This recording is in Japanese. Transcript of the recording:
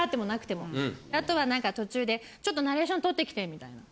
あとは何か途中でちょっとナレーションとってきてみたいな。